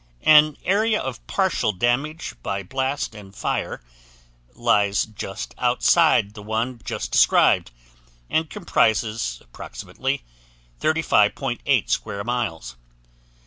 An area of partial damage by blast and fire lies just outside the one just described and comprises approximately 35.8 square miles.